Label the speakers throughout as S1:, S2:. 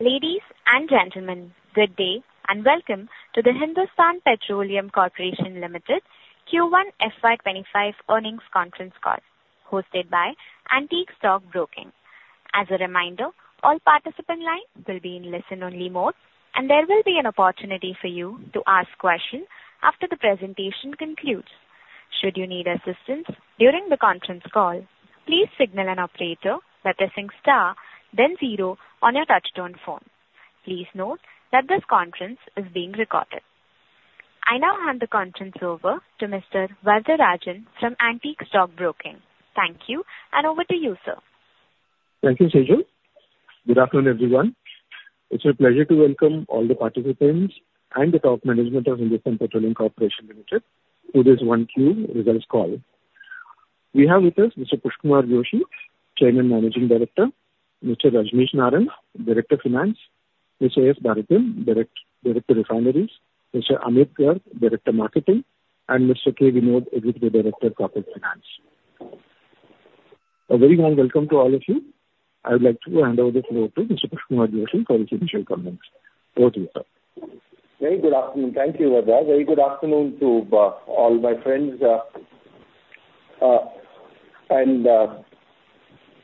S1: Ladies and gentlemen, good day and welcome to the Hindustan Petroleum Corporation Limited Q1 FY 2025 earnings conference call, hosted by Antique Stock Broking. As a reminder, all participants' lines will be in listen-only mode, and there will be an opportunity for you to ask questions after the presentation concludes. Should you need assistance during the conference call, please signal an operator by pressing star, then zero on your touch-tone phone. Please note that this conference is being recorded. I now hand the conference over to Mr. Vaidyanathan Rangan from Antique Stock Broking. Thank you, and over to you, sir.
S2: Thank you, Seju. Good afternoon, everyone. It's a pleasure to welcome all the participants and the top management of Hindustan Petroleum Corporation Limited to this 1Q results call. We have with us Mr. Pushp karma Joshi, Chairman Managing Director, Mr. Rajneesh Narang, Director Finance, Mr. S. Bharathan, Director Refineries, Mr. Amit Garg, Director Marketing, and Mr. K. Vinod, Executive Director, Corporate Finance. A very warm welcome to all of you. I would like to hand over the floor to Mr. Pushp karma Joshi for his initial comments. Over to you, sir.
S3: Very good afternoon. Thank you, Vaidyanathan. Very good afternoon to all my friends.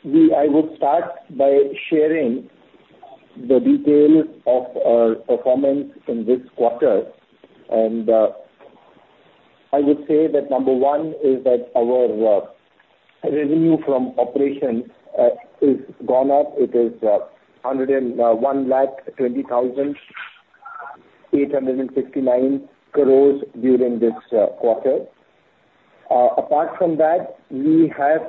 S3: I would start by sharing the details of our performance in this quarter. I would say that number one is that our revenue from operations has gone up. It is 10,120,869 crores during this quarter. Apart from that, we have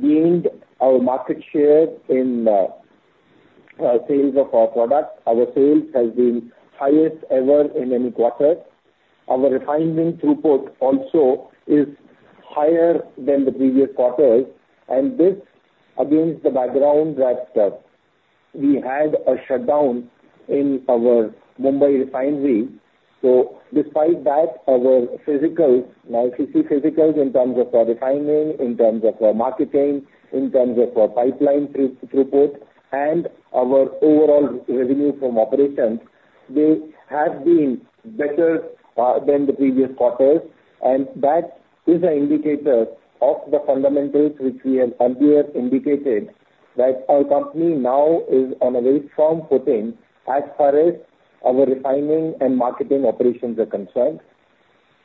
S3: gained our market share in sales of our products. Our sales have been highest ever in any quarter. Our refinement throughput also is higher than the previous quarters. This, against the background that we had a shutdown in our Mumbai refinery. So despite that, our physicals, now if you see physicals in terms of refinement, in terms of marketing, in terms of pipeline throughput, and our overall revenue from operations, they have been better than the previous quarters. That is an indicator of the fundamentals which we have earlier indicated that our company now is on a very strong footing as far as our refining and marketing operations are concerned.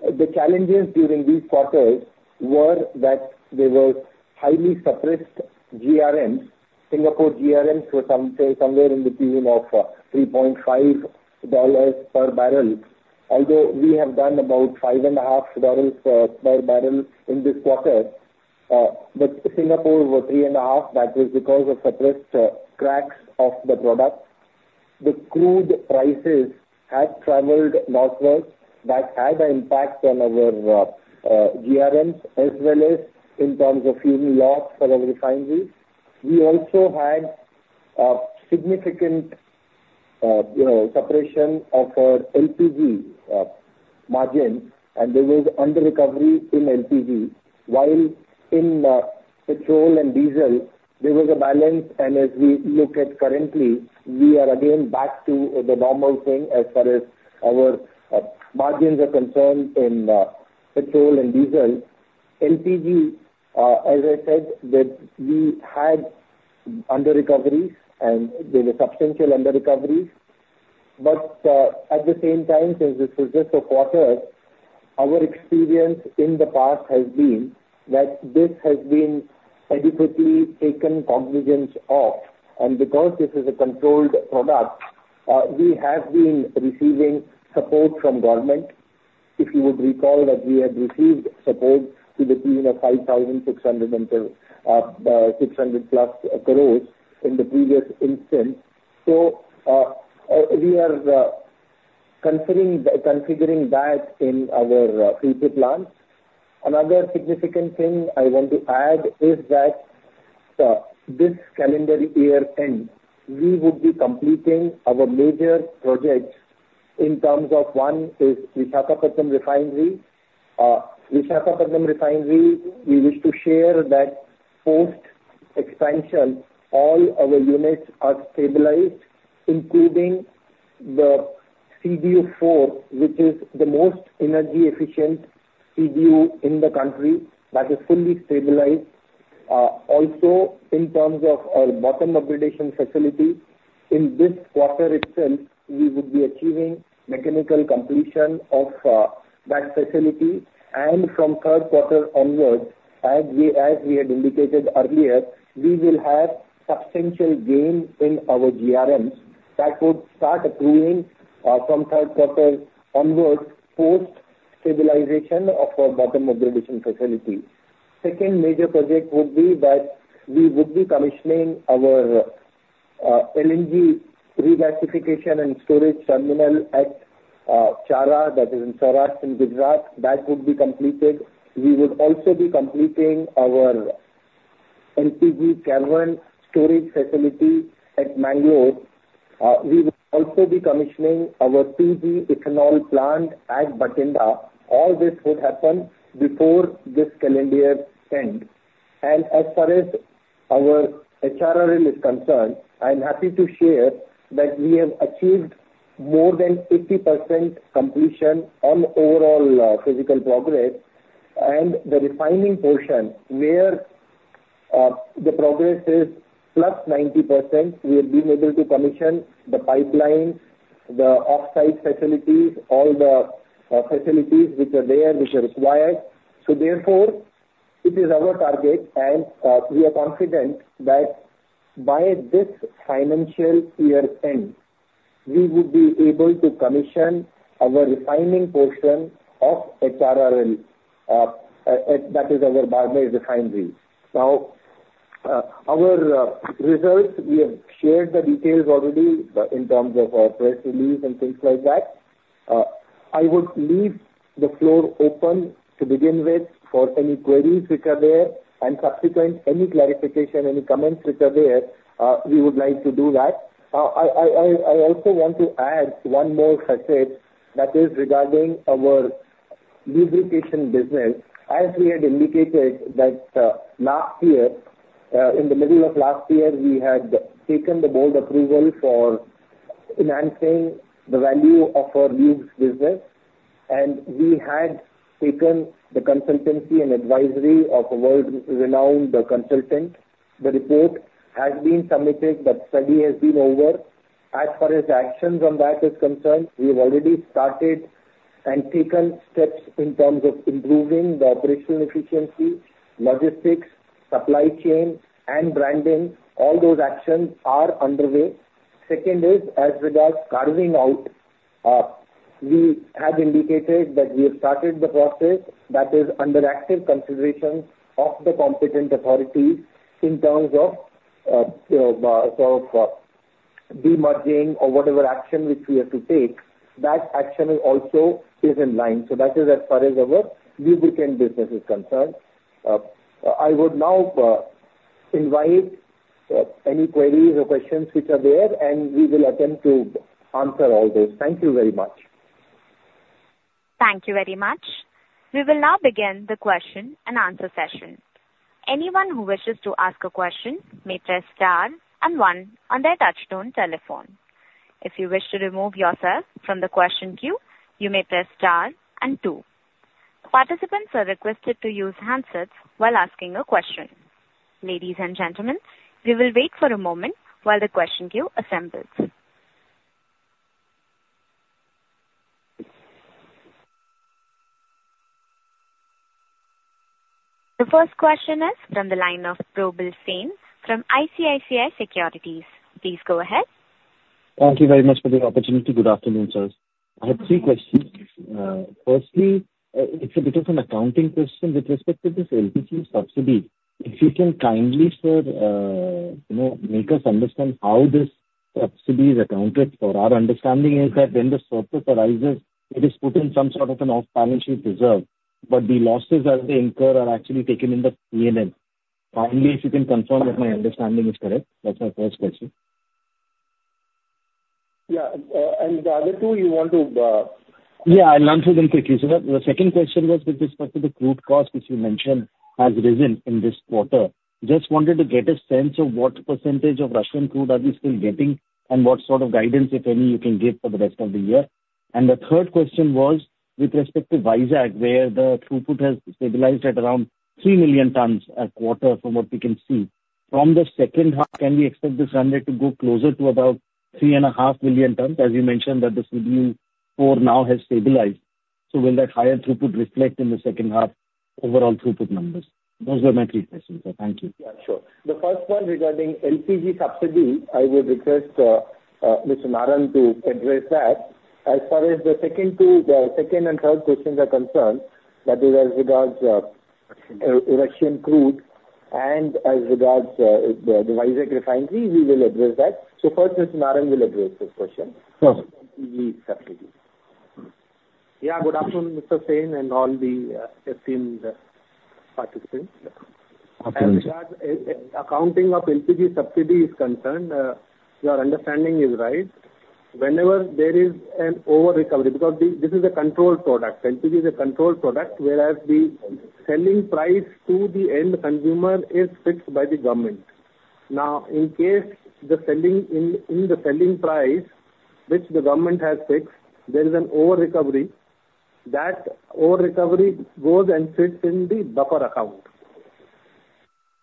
S3: The challenges during these quarters were that there were highly suppressed GRMs. Singapore GRMs were somewhere in the tune of $3.5 per barrel. Although we have done about $5.5 per barrel in this quarter, but Singapore were $3.5. That was because of suppressed cracks of the product. The crude prices had traveled northward. That had an impact on our GRMs as well as in terms of fuel loss for our refineries. We also had significant suppression of our LPG margins, and there was under-recovery in LPG. While in petrol and diesel, there was a balance. As we look at currently, we are again back to the normal thing as far as our margins are concerned in petrol and diesel. LPG, as I said, we had under-recoveries, and there were substantial under-recoveries. But at the same time, since this was just a quarter, our experience in the past has been that this has been adequately taken cognizance of. Because this is a controlled product, we have been receiving support from government. If you would recall that we had received support to the tune of 5,600+ crores in the previous instance. So we are configuring that in our future plans. Another significant thing I want to add is that this calendar year-end, we would be completing our major projects in terms of one is Visakhapatnam Refinery. Visakhapatnam Refinery, we wish to share that post-expansion, all our units are stabilized, including the CDU-4, which is the most energy-efficient CDU in the country that is fully stabilized. Also, in terms of our bottom operation facility, in this quarter itself, we would be achieving mechanical completion of that facility. From third quarter onwards, as we had indicated earlier, we will have substantial gain in our GRMs that would start accruing from third quarter onwards post-stabilization of our bottom operation facility. Second major project would be that we would be commissioning our LNG regasification and storage terminal at Chhara, that is in Saurashtra, in Gujarat. That would be completed. We would also be completing our LPG cavern storage facility at Mangalore. We would also be commissioning our 2G ethanol plant at Bathinda. All this would happen before this calendar year end. As far as our HRRL is concerned, I'm happy to share that we have achieved more than 80% completion on overall physical progress. The refining portion, where the progress is +90%, we have been able to commission the pipelines, the offsite facilities, all the facilities which are there, which are required. So therefore, it is our target. We are confident that by this financial year end, we would be able to commission our refining portion of HRRL, that is our Barmer Refineries. Now, our results, we have shared the details already in terms of our press release and things like that. I would leave the floor open to begin with for any queries which are there. And subsequent any clarification, any comments which are there, we would like to do that. I also want to add one more facet, that is regarding our lubrication business. As we had indicated that last year, in the middle of last year, we had taken the board approval for enhancing the value of our lubes business. And we had taken the consultancy and advisory of a world-renowned consultant. The report has been submitted. The study has been over. As far as actions on that is concerned, we have already started and taken steps in terms of improving the operational efficiency, logistics, supply chain, and branding. All those actions are underway. Second is, as regards carving out, we have indicated that we have started the process that is under active consideration of the competent authorities in terms of de-merging or whatever action which we have to take. That action also is in line. So that is as far as our lubricant business is concerned. I would now invite any queries or questions which are there, and we will attempt to answer all those. Thank you very much.
S1: Thank you very much. We will now begin the question and answer session. Anyone who wishes to ask a question may press star and one on their touch-tone telephone. If you wish to remove yourself from the question queue, you may press star and two. Participants are requested to use handsets while asking a question. Ladies and gentlemen, we will wait for a moment while the question queue assembles. The first question is from the line of Probal Sen from ICICI Securities. Please go ahead.
S4: Thank you very much for the opportunity. Good afternoon, sir. I have three questions. Firstly, it's a bit of an accounting question with respect to this LPG subsidy. If you can kindly, sir, make us understand how this subsidy is accounted for. Our understanding is that when the surplus arises, it is put in some sort of an off-balance sheet reserve. But the losses as they incur are actually taken in the P&L. Kindly, if you can confirm that my understanding is correct, that's my first question.
S3: Yeah. Add the other two, you want to?
S4: Yeah, I'll answer them quickly. Sir, the second question was with respect to the crude cost which you mentioned has risen in this quarter. Just wanted to get a sense of what percentage of Russian crude are we still getting and what sort of guidance, if any, you can give for the rest of the year. And the third question was with respect to Visakh, where the throughput has stabilized at around 3 million tons a quarter from what we can see. From the second half, can we expect this run rate to go closer to about 3.5 million tons? As you mentioned that the CDU-4 now has stabilized. So will that higher throughput reflect in the second half overall throughput numbers? Those were my three questions, sir. Thank you.
S3: Yeah, sure. The first one regarding LPG subsidy, I would request Mr. Narang to address that. As far as the second and third questions are concerned, that is as regards Russian crude and as regards the Visakh refinery, we will address that. So first, Mr. Narang will address this question.
S5: Sure.
S3: LPG subsidy.
S4: Yeah, good afternoon, Mr. Sen and all the esteemed participants. As regards accounting of LPG subsidy is concerned, your understanding is right. Whenever there is an over-recovery, because this is a controlled product, LPG is a controlled product, whereas the selling price to the end consumer is fixed by the government. Now, in case the selling in the selling price, which the government has fixed, there is an over-recovery. That over-recovery goes and sits in the buffer account.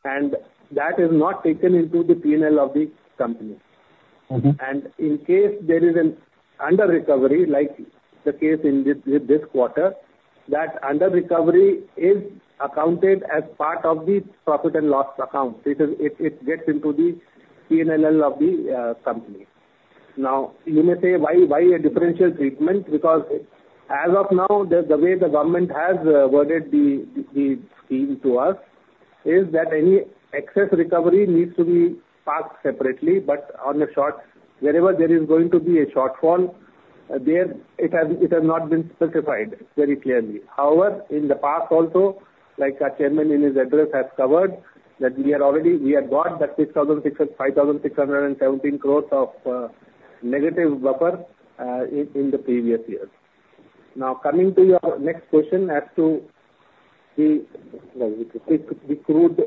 S4: And that is not taken into the P&L of the company. And in case there is an under-recovery, like the case in this quarter, that under-recovery is accounted as part of the profit and loss account. It gets into the P&L of the company. Now, you may say, "Why a differential treatment?" Because as of now, the way the government has worded the scheme to us is that any excess recovery needs to be parked separately. But on the short, wherever there is going to be a shortfall, it has not been specified very clearly. However, in the past also, like the Chairman in his address has covered, that we have got that 5,617 crore of negative buffer in the previous year. Now, coming to your next question as to the crude,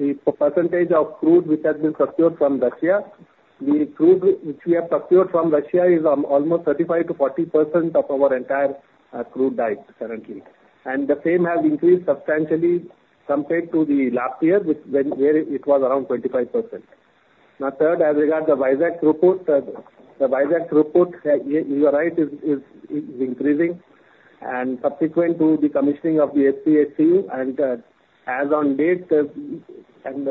S4: the percentage of crude which has been procured from Russia, the crude which we have procured from Russia is almost 35%-40% of our entire crude diet currently. And the same has increased substantially compared to the last year, where it was around 25%. Now, third, as regards the Visakh throughput, the Visakh throughput, you are right, is increasing. Subsequent to the commissioning of the FCHCU and as on date, and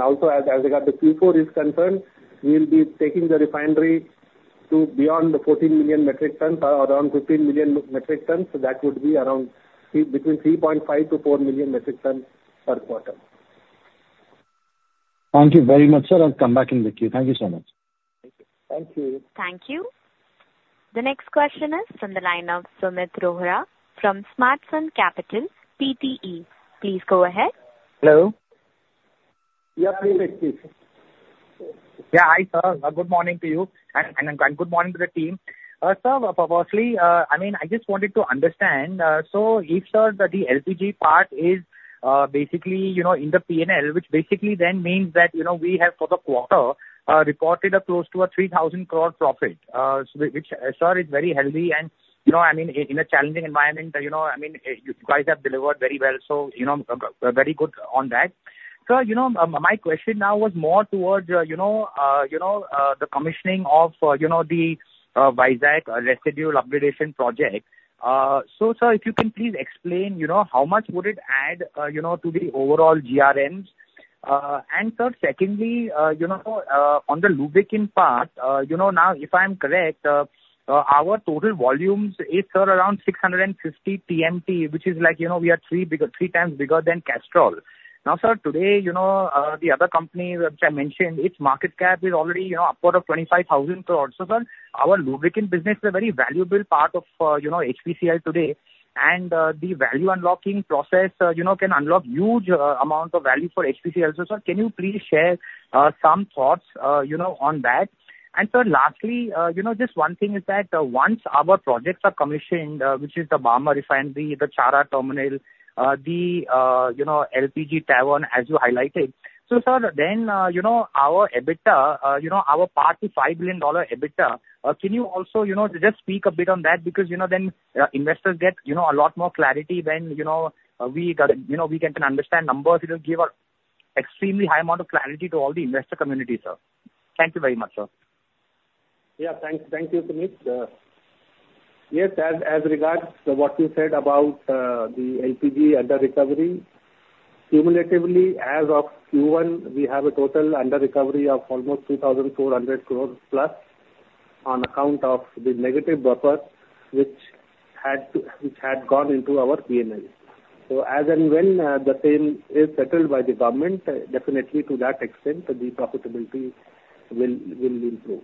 S4: also as regards the Q4 is concerned, we will be taking the refinery to beyond the 14 million metric tons, around 15 million metric tons. That would be around between 3.5-4 million metric tons per quarter. Thank you very much, sir. I'll come back in the queue. Thank you so much.
S5: Thank you.
S1: Thank you. The next question is from the line of Sumeet Rohra from SmartSun Capital PTE. Please go ahead.
S4: Hello.
S3: Yeah, please, please.
S4: Yeah, hi, sir. Good morning to you. Good morning to the team. Sir, firstly, I mean, I just wanted to understand. So if, sir, the LPG part is basically in the P&L, which basically then means that we have for the quarter reported close to 3,000 crore profit, which, sir, is very healthy. And I mean, in a challenging environment, I mean, you guys have delivered very well. So very good on that. Sir, my question now was more towards the commissioning of the Visakh residue upgradation project. So, sir, if you can please explain how much would it add to the overall GRMs. And, sir, secondly, on the lubricant part, now, if I'm correct, our total volumes is, sir, around 650 TMT, which is like we are three times bigger than Castrol. Now, sir, today, the other company which I mentioned, its market cap is already upward of 25,000 crore. So, sir, our lubricant business is a very valuable part of HPCL today. And the value unlocking process can unlock huge amounts of value for HPCL also. Sir, can you please share some thoughts on that? And, sir, lastly, just one thing is that once our projects are commissioned, which is the Barmer Refinery, the Chhara terminal, the LPG cavern, as you highlighted. So, sir, then our EBITDA, our target $5 billion EBITDA, can you also just speak a bit on that? Because then investors get a lot more clarity when we can understand numbers. It will give an extremely high amount of clarity to all the investor community, sir. Thank you very much, sir.
S3: Yeah, thank you, Sumeet. Yes, as regards to what you said about the LPG under-recovery, cumulatively, as of Q1, we have a total under-recovery of almost 2,400 crore plus on account of the negative buffer, which had gone into our P&L. So as and when the same is settled by the government, definitely to that extent, the profitability will improve.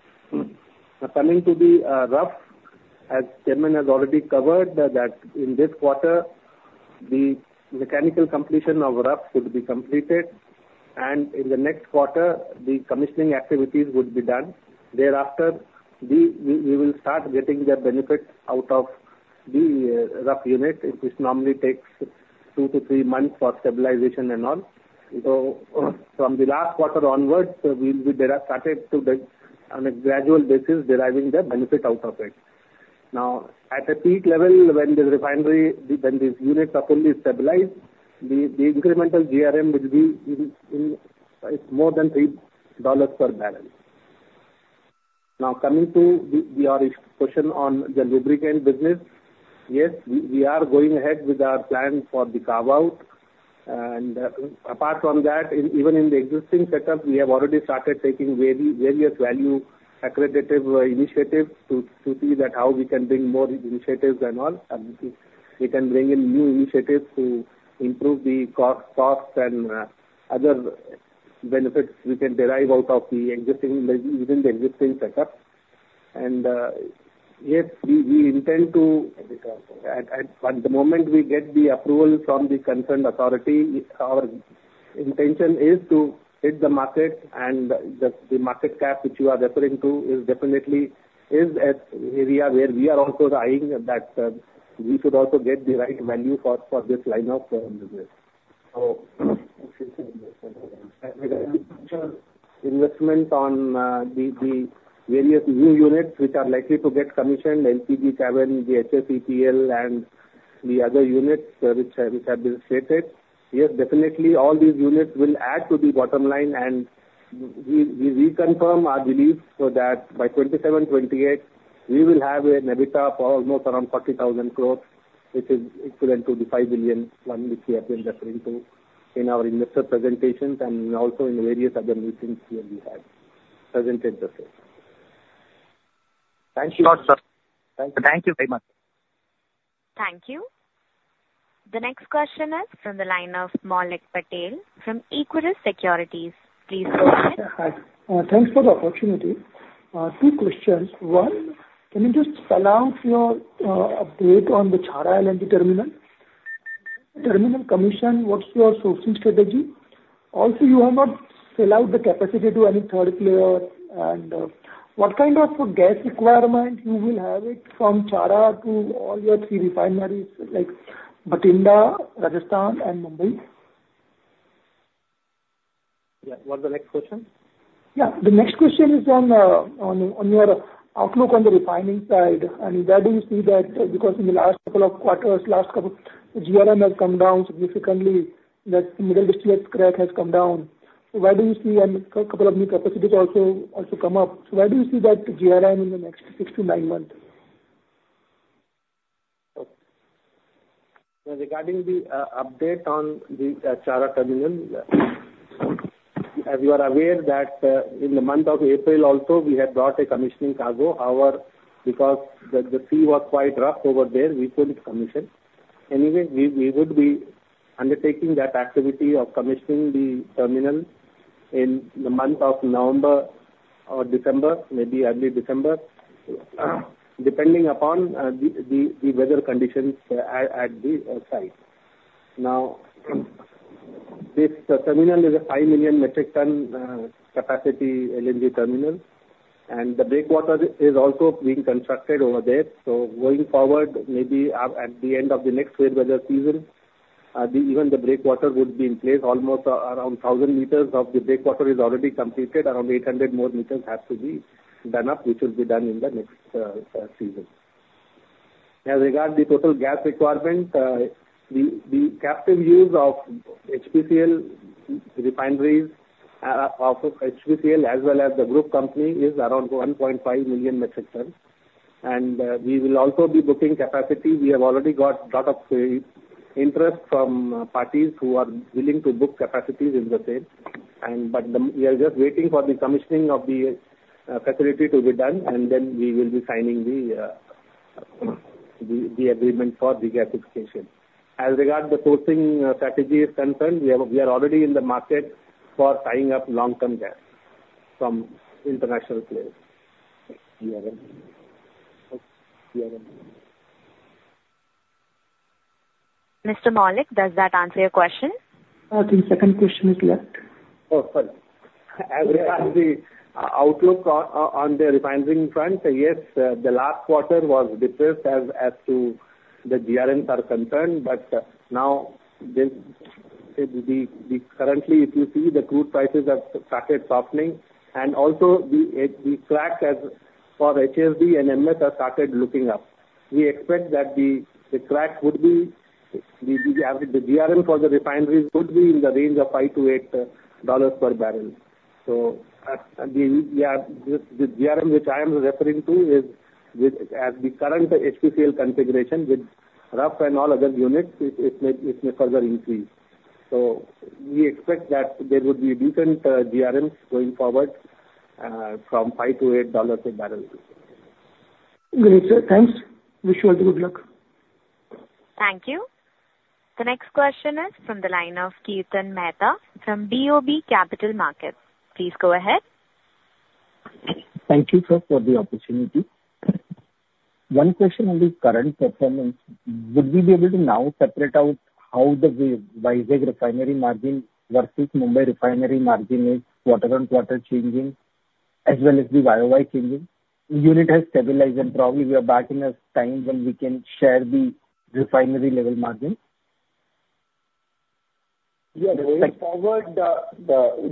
S3: Now, coming to the RUF, as Chairman has already covered, that in this quarter, the mechanical completion of RUF would be completed. And in the next quarter, the commissioning activities would be done. Thereafter, we will start getting the benefit out of the RUF unit, which normally takes two to three months for stabilization and all. So from the last quarter onwards, we started to, on a gradual basis, deriving the benefit out of it. Now, at a peak level, when this unit properly stabilized, the incremental GRM will be more than $3 per barrel. Now, coming to your question on the lubricant business, yes, we are going ahead with our plan for the carve-out. And apart from that, even in the existing setup, we have already started taking various value accretive initiatives to see how we can bring more initiatives and all. We can bring in new initiatives to improve the costs and other benefits we can derive out of the existing within the existing setup. And yes, we intend to, at the moment we get the approval from the concerned authority, our intention is to hit the market. And the market cap which you are referring to is definitely an area where we are also eyeing that we should also get the right value for this line of business. Investment on the various new units which are likely to get commissioned, LPG cavern, the HSEPL, and the other units which have been stated, yes, definitely all these units will add to the bottom line. And we reconfirm our belief that by 2027, 2028, we will have an EBITDA for almost around 40,000 crore, which is equivalent to the $5 billion one which we have been referring to in our investor presentations and also in various other meetings where we have presented the same. Thank you very much.
S1: Thank you. The next question is from the line of Maulik Patel from Equirus Securities. Please go ahead.
S4: Thanks for the opportunity. Two questions. One, can you just spell out your update on the Chhara LNG terminal? Terminal commission, what's your sourcing strategy? Also, you have not sell out the capacity to any third player. And what kind of gas requirement you will have from Chhara to all your three refineries, like Bathinda, Rajasthan, and Mumbai?
S3: Yeah. What's the next question?
S4: Yeah. The next question is on your outlook on the refining side. I mean, where do you see that? Because in the last couple of quarters, last couple of GRM has come down significantly. That middle distillate crack has come down. So where do you see a couple of new capacities also come up? So where do you see that GRM in the next 6-9 months?
S3: Regarding the update on the Chhara terminal, as you are aware that in the month of April also, we had brought a commissioning cargo. However, because the sea was quite rough over there, we couldn't commission. Anyway, we would be undertaking that activity of commissioning the terminal in the month of November or December, maybe early December, depending upon the weather conditions at the site. Now, this terminal is a 5 million metric ton capacity LNG terminal. The breakwater is also being constructed over there. Going forward, maybe at the end of the next wet weather season, even the breakwater would be in place. Almost around 1,000 meters of the breakwater is already completed. Around 800 more meters have to be done up, which will be done in the next season. As regards the total gas requirement, the captive use of HPCL refineries of HPCL as well as the group company is around 1.5 million metric tons. We will also be booking capacity. We have already got a lot of interest from parties who are willing to book capacities in the same. We are just waiting for the commissioning of the facility to be done, and then we will be signing the agreement for the gasification. As regards the sourcing strategy is concerned, we are already in the market for tying up long-term gas from international players.
S1: Mr. Maulik, does that answer your question?
S6: I think the second question is left.
S3: Oh, sorry. As regards the outlook on the refinery front, yes, the last quarter was depressed as to the GRMs are concerned. But now, currently, if you see the crude prices have started softening. And also, the crack for HSD and MS has started looking up. We expect that the crack would be the GRM for the refineries would be in the range of $5-$8 per barrel. So the GRM which I am referring to is, as the current HPCL configuration with RUF and all other units, it may further increase. So we expect that there would be decent GRMs going forward from $5-$8 per barrel.
S4: Great. Thanks. Wish you all the good luck.
S1: Thank you. The next question is from the line of Kirtan Mehta from BOB Capital Markets. Please go ahead.
S4: Thank you, sir, for the opportunity. One question on the current performance. Would we be able to now separate out how the Visakh refinery margin versus Mumbai refinery margin is quarter-on-quarter changing, as well as the YOY changing? The unit has stabilized, and probably we are back in a time when we can share the refinery level margin.
S3: Yeah, going forward,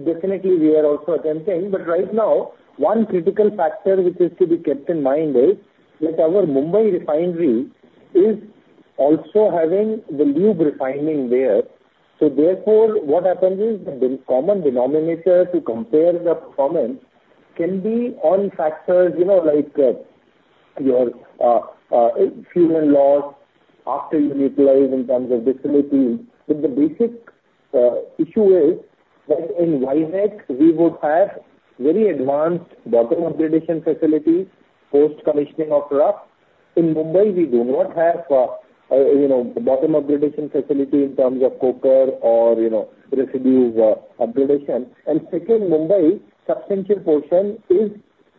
S3: definitely we are also attempting. But right now, one critical factor which is to be kept in mind is that our Mumbai refinery is also having the lube refining there. So therefore, what happens is the common denominator to compare the performance can be on factors like your fuel and loss after you utilize in terms of facilities. But the basic issue is that in Visakh, we would have very advanced bottom upgradation facilities post-commissioning of RUF. In Mumbai, we do not have a bottom upgradation facility in terms of coker or residue upgradation. And second, Mumbai's substantial portion is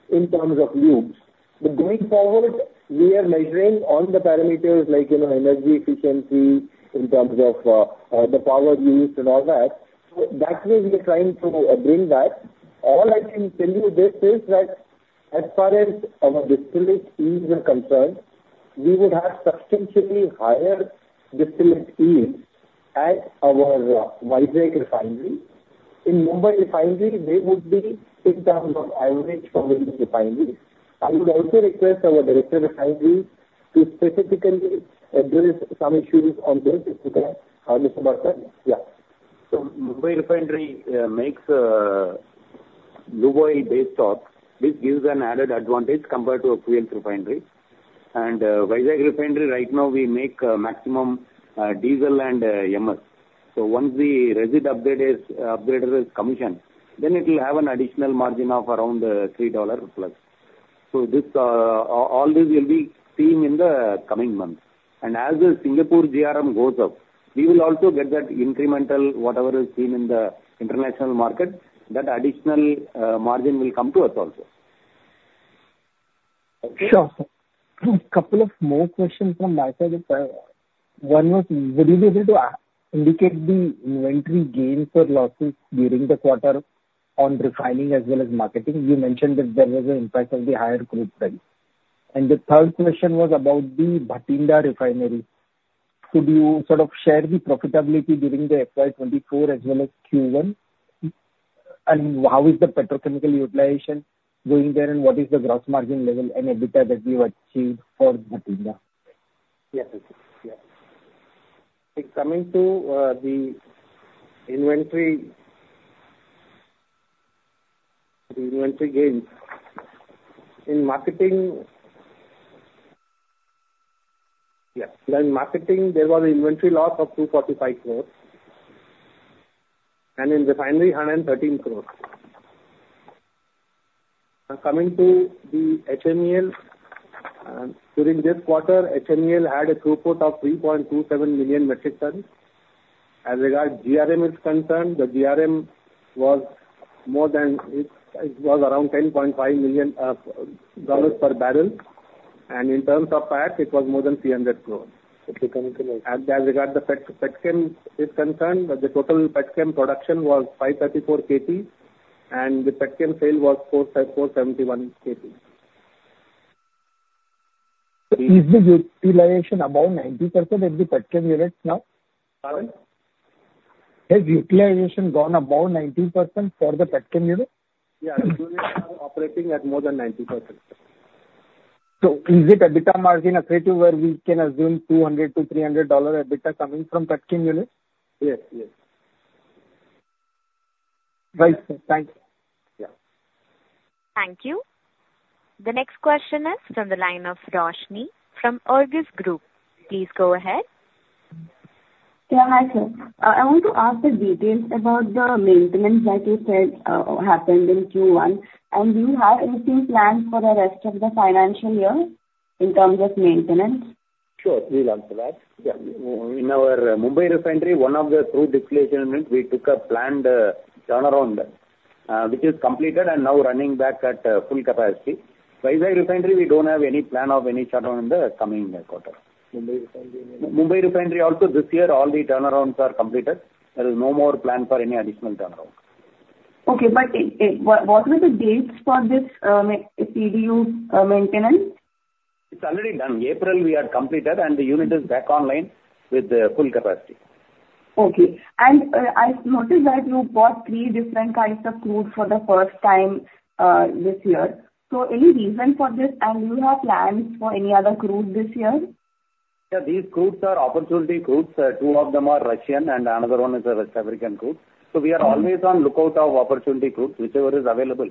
S3: in terms of lubes. But going forward, we are measuring on the parameters like energy efficiency in terms of the power used and all that. So that way, we are trying to bring that. All I can tell you this is that as far as our distillate yields are concerned, we would have substantially higher distillate yields at our Visakh refinery. In Mumbai refinery, they would be in terms of average for these refineries. I would also request our Director Refineries to specifically address some issues on this. Is that how this works? Yeah.
S4: So Mumbai Refinery makes lube oil base stock, which gives an added advantage compared to a fuel refinery. And Visakh Refinery, right now, we make maximum diesel and MS. So once the residue upgrader is commissioned, then it will have an additional margin of around $3 plus. So all this will be seen in the coming months. And as the Singapore GRM goes up, we will also get that incremental, whatever is seen in the international market, that additional margin will come to us also. Sure. A couple of more questions from my side. One was, would you be able to indicate the inventory gain for losses during the quarter on refining as well as marketing? You mentioned that there was an impact of the higher crude price. And the third question was about the Bathinda refinery. Could you sort of share the profitability during the FY 2024 as well as Q1? And how is the petrochemical utilization going there? And what is the gross margin level and EBITDA that you have achieved for Bathinda?
S3: Yes. Coming to the inventory gains, in marketing, yes. In marketing, there was an inventory loss of 245 crore. In refinery, 113 crores. Coming to the HMEL, during this quarter, HMEL had a throughput of 3.27 million metric tons. As regards GRM is concerned, the GRM was more than it was around $10.5 million per barrel. In terms of PAC, it was more than 300 crore. As regards the PETCEM is concerned, the total PETCEM production was 534 KT. The PETCEM sale was 471 KT.
S4: Is the utilization above 90% of the PETCEM units now?
S3: Pardon?
S4: Has utilization gone above 90% for the PETCEM units?
S3: Yeah. Operating at more than 90%.
S4: So is it EBITDA margin accurate where we can assume $200-$300 EBITDA coming from PETCEM units?
S3: Yes. Yes.
S4: Right. Thanks.
S1: Thank you. The next question is from the line of Roshni from Urjis Group. Please go ahead.
S4: Yeah. Hi, sir. I want to ask the details about the maintenance that you said happened in Q1. Do you have anything planned for the rest of the financial year in terms of maintenance?
S3: Sure. Please answer that. Yeah. In our Mumbai refinery, one of the crude distillation units, we took a planned turnaround, which is completed and now running back at full capacity. Visakh refinery, we don't have any plan of any turnaround in the coming quarter. Mumbai refinery also, this year, all the turnarounds are completed. There is no more plan for any additional turnaround.
S4: Okay. But what were the dates for this CDU maintenance?
S3: It's already done. April, we had completed, and the unit is back online with full capacity.
S4: Okay. I noticed that you bought three different kinds of crude for the first time this year. Any reason for this? Do you have plans for any other crude this year?
S3: Yeah. These crudes are opportunity crudes. Two of them are Russian, and another one is a West African crude. So we are always on lookout for opportunity crudes. Whichever is available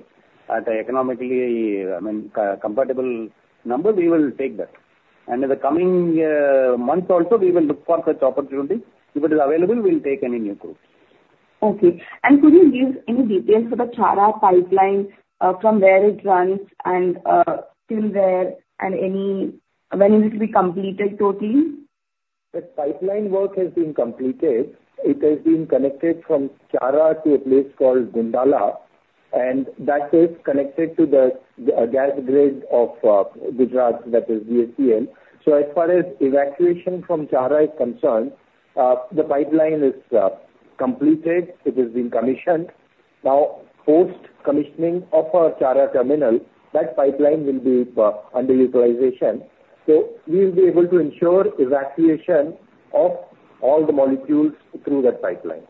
S3: at an economically, I mean, compatible number, we will take that. And in the coming months also, we will look for such opportunity. If it is available, we'll take any new crude.
S4: Okay. Could you give any details for the Chhara pipeline from where it runs and till where and when it will be completed totally?
S3: The pipeline work has been completed. It has been connected from Chhara to a place called Gundala, and that is connected to the gas grid of Gujarat, that is GSPL. So as far as evacuation from Chhara is concerned, the pipeline is completed. It has been commissioned. Now, post-commissioning of our Chhara terminal, that pipeline will be under utilization. So we will be able to ensure evacuation of all the molecules through that pipeline.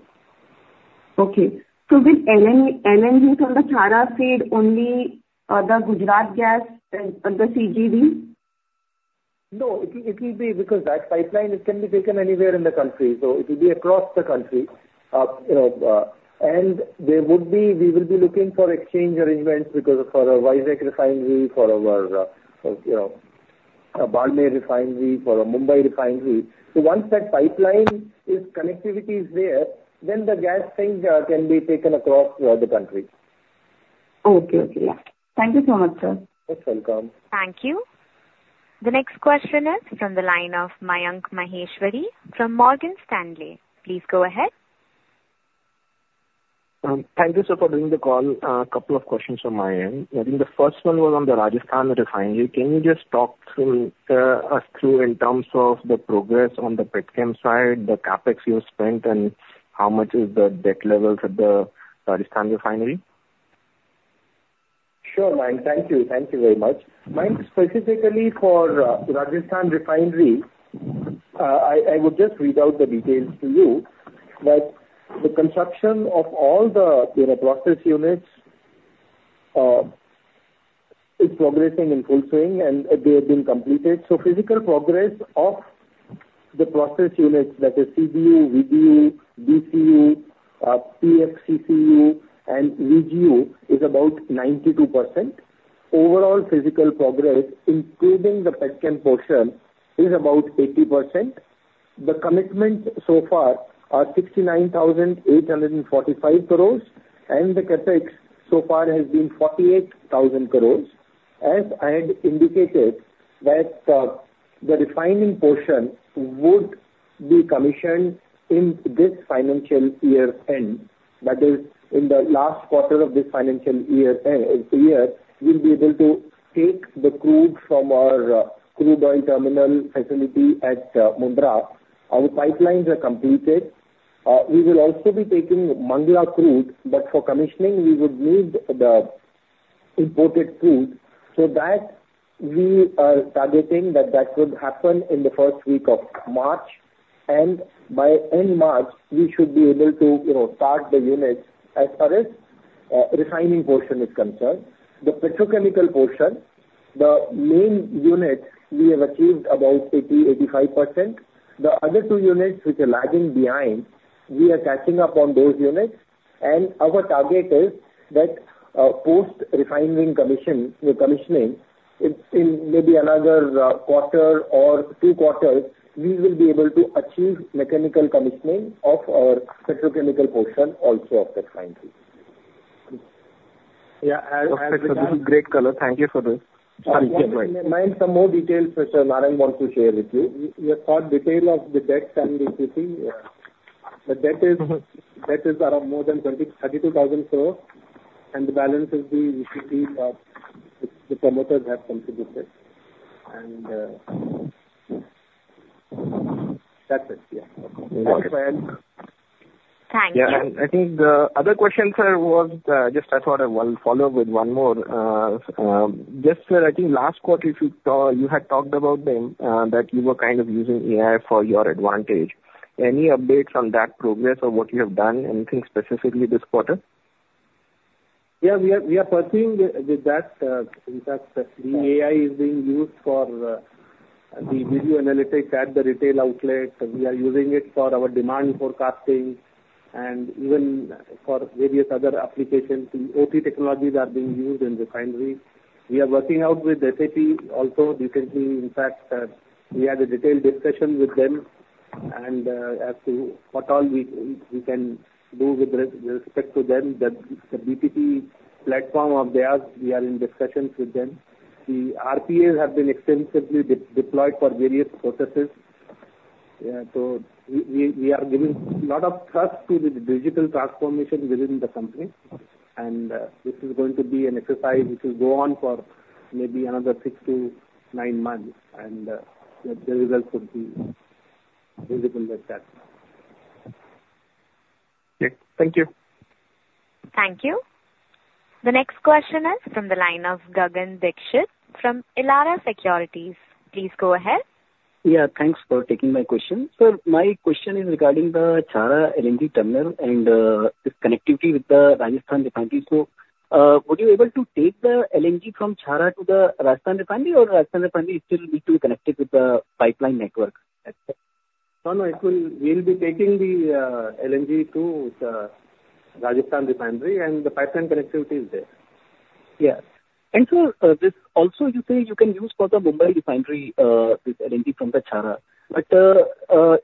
S4: Okay. Will LNG from the Chhara feed only the Gujarat gas and the CGV?
S3: No. It will be because that pipeline can be taken anywhere in the country. So it will be across the country. And we will be looking for exchange arrangements because for our Visakh refinery, for our Barmer refinery, for our Mumbai refinery. So once that pipeline connectivity is there, then the gas thing can be taken across the country.
S4: Okay. Okay. Yeah. Thank you so much, sir.
S3: You're welcome.
S1: Thank you. The next question is from the line of Mayank Maheshwari from Morgan Stanley. Please go ahead.
S7: Thank you, sir, for doing the call. A couple of questions from my end. I think the first one was on the Rajasthan refinery. Can you just talk us through in terms of the progress on the PETCEM side, the CAPEX you have spent, and how much is the debt level for the Rajasthan refinery?
S3: Sure, Mike. Thank you. Thank you very much. Mike, specifically for Rajasthan refinery, I would just read out the details to you. But the construction of all the process units is progressing in full swing, and they have been completed. So physical progress of the process units, that is CDU, VDU, DCU, PFCCU, and VGU, is about 92%. Overall physical progress, including the PETCEM portion, is about 80%. The commitments so far are 69,845 crore, and the CAPEX so far has been 48,000 crore. As I had indicated, the refining portion would be commissioned in this financial year end. That is, in the last quarter of this financial year, we'll be able to take the crude from our crude oil terminal facility at Mundra. Our pipelines are completed. We will also be taking Mangala crude, but for commissioning, we would need the imported crude. So that we are targeting that that would happen in the first week of March. By end March, we should be able to start the units as far as refining portion is concerned. The petrochemical portion, the main units, we have achieved about 80%-85%. The other two units, which are lagging behind, we are catching up on those units. Our target is that post-refining commissioning, maybe another quarter or two quarters, we will be able to achieve mechanical commissioning of our petrochemical portion also of the refinery.
S7: Yeah. That's a great color. Thank you for this. Sorry.
S3: Mike, some more details Mr. Narayan wants to share with you. You have thought detail of the debt and the equity. The debt is around more than 32,000 crore, and the balance is the equity the promoters have contributed. That's it. Yeah.
S1: Thank you.
S7: Yeah. And I think the other question, sir, was just. I thought I will follow up with one more. Just, sir, I think last quarter, you had talked about them that you were kind of using AI for your advantage. Any updates on that progress or what you have done? Anything specifically this quarter?
S3: Yeah. We are pursuing with that. In fact, the AI is being used for the video analytics at the retail outlet. We are using it for our demand forecasting and even for various other applications. The OT technologies are being used in refinery. We are working out with SAP also. Recently, in fact, we had a detailed discussion with them. And as to what all we can do with respect to them, the BTP platform of theirs, we are in discussions with them. The RPAs have been extensively deployed for various purposes. So we are giving a lot of trust to the digital transformation within the company. And this is going to be an exercise which will go on for maybe another six to nine months. And the results would be visible at that.
S4: Okay. Thank you.
S1: Thank you. The next question is from the line of Gagan Dixit from Elara Securities. Please go ahead.
S8: Yeah. Thanks for taking my question. Sir, my question is regarding the Chhara LNG terminal and its connectivity with the Rajasthan refinery. Would you be able to take the LNG from Chhara to the Rajasthan refinery or Rajasthan refinery still need to be connected with the pipeline network?
S3: No, no. We'll be taking the LNG to Rajasthan refinery, and the pipeline connectivity is there.
S8: Yeah. Sir, this also, you say you can use for the Mumbai refinery this LNG from the Chhara. But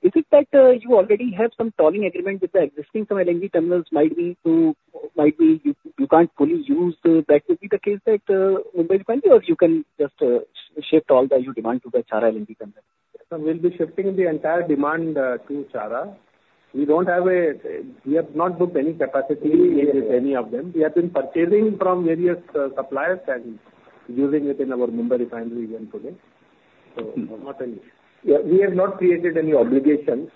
S8: is it that you already have some tolling agreement with the existing LNG terminals? Might be you can't fully use that. Would it be the case that Mumbai refinery or you can just shift all that you demand to the Chhara LNG terminal?
S3: We'll be shifting the entire demand to Chhara. We have not booked any capacity with any of them. We have been purchasing from various suppliers and using it in our Mumbai refinery and putting. So not any. Yeah. We have not created any obligations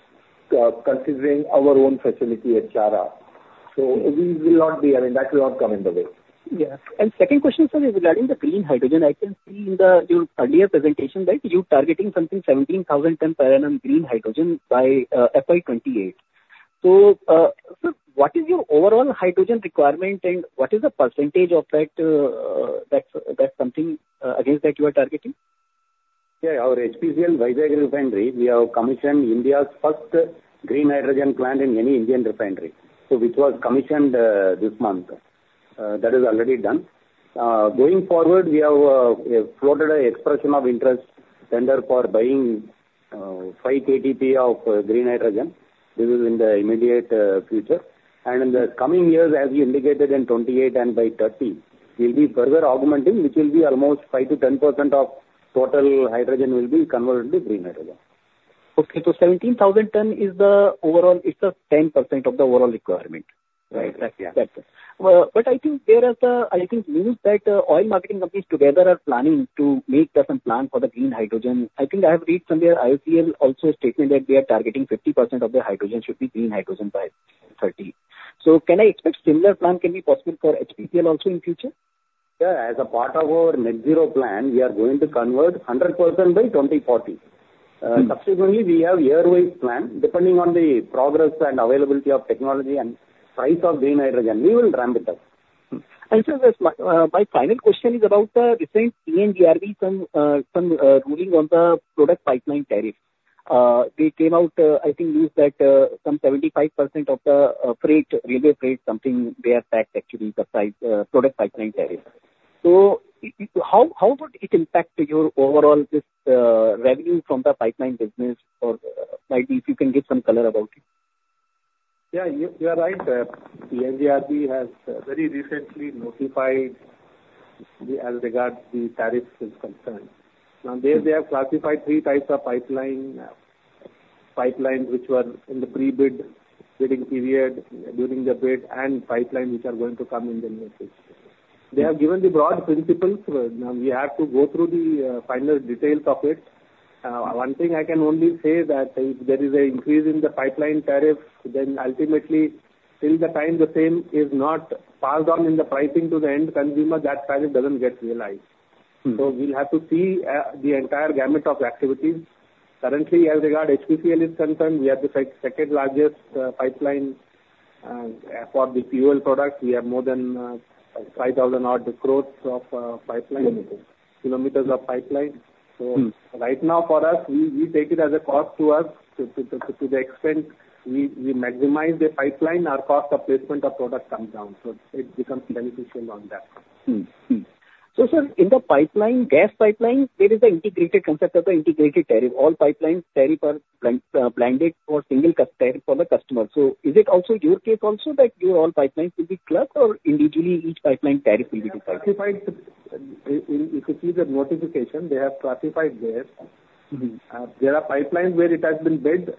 S3: considering our own facility at Chhara. So we will not be I mean, that will not come in the way.
S8: Yeah. Second question, sir, regarding the green hydrogen, I can see in your earlier presentation that you're targeting something 17,000 tons per annum green hydrogen by FY 2028. Sir, what is your overall hydrogen requirement and what is the percentage of that something against that you are targeting?
S3: Yeah. Our HPCL Visakh refinery, we have commissioned India's first green hydrogen plant in any Indian refinery. So which was commissioned this month. That is already done. Going forward, we have floated an expression of interest tender for buying 5 KTP of green hydrogen. This is in the immediate future. And in the coming years, as you indicated in 2028 and by 2030, we'll be further augmenting, which will be almost 5%-10% of total hydrogen will be converted to green hydrogen.
S8: Okay. So 17,000 ton is the overall. It's 10% of the overall requirement.
S3: Right. Exactly.
S8: I think there is the, I think, news that oil marketing companies together are planning to make some plan for the green hydrogen. I think I have read somewhere IOCL also statement that they are targeting 50% of the hydrogen should be green hydrogen by 2030. Can I expect similar plan can be possible for HPCL also in future?
S3: Yeah. As a part of our net zero plan, we are going to convert 100% by 2040. Subsequently, we have year-wise plan. Depending on the progress and availability of technology and price of green hydrogen, we will ramp it up.
S8: Sir, my final question is about the recent PNGRB's ruling on the product pipeline tariff. They came out, I think, news that some 75% of the freight, railway freight, something they have packed actually the product pipeline tariff. So how would it impact your overall revenue from the pipeline business? Or if you can give some color about it.
S3: Yeah. You are right. PNGRB has very recently notified as regards the tariffs is concerned. Now, there they have classified three types of pipeline, pipelines which were in the pre-bid bidding period during the bid and pipelines which are going to come in the near future. They have given the broad principles. Now, we have to go through the final details of it. One thing I can only say that if there is an increase in the pipeline tariff, then ultimately, till the time the same is not passed on in the pricing to the end consumer, that tariff doesn't get realized. So we'll have to see the entire gamut of activities. Currently, as regards HPCL is concerned, we are the second largest pipeline for the fuel products. We have more than 5,000-odd kilometers of pipeline. Right now, for us, we take it as a cost to us. To the extent we maximize the pipeline, our cost of placement of product comes down. It becomes beneficial on that.
S8: So, sir, in the pipeline, gas pipeline, there is an integrated concept of the integrated tariff. All pipeline tariff are blended for single tariff for the customers. So is it also your case also that your all pipelines will be clustered or individually each pipeline tariff will be decided?
S3: Notified. If you see the notification, they have classified there. There are pipelines where it has been bid.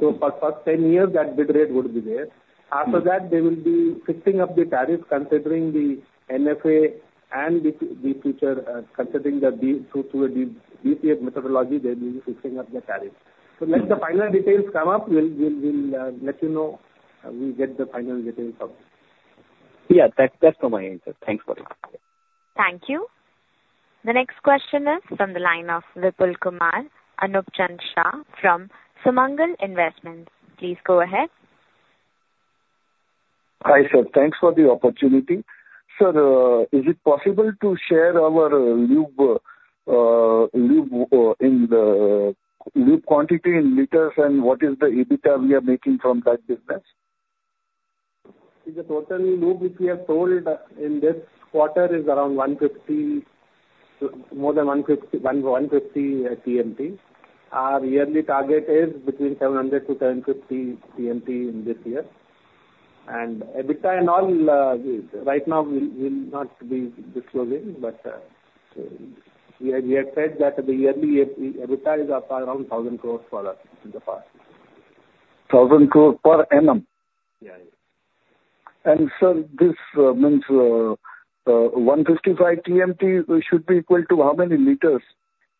S3: So for the first 10 years, that bid rate would be there. After that, they will be fixing up the tariff considering the NFA and the future considering the DPF methodology, they will be fixing up the tariff. So when the final details come up, we'll let you know. We get the final details of it.
S8: Yeah. That's all my answer. Thanks for it.
S1: Thank you. The next question is from the line of Vipul Kumar Anup Chand Shah from Sumangal Investments. Please go ahead.
S9: Hi sir. Thanks for the opportunity. Sir, is it possible to share our Lube in the Lube quantity in liters and what is the EBITDA we are making from that business?
S3: The total lube which we have sold in this quarter is around 150, more than 150 TMT. Our yearly target is between 700-750 TMT in this year. And EBITDA and all, right now, we'll not be disclosing. But we have said that the yearly EBITDA is around 1,000 crore for us in the past.
S9: 1,000 crore per annum?
S3: Yeah.
S9: Sir, this means 155 TMT should be equal to how many liters?